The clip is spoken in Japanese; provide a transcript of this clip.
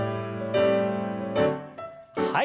はい。